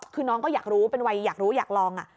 คือน้องก็อยากรู้เป็นวัยอยากรู้อยากลอง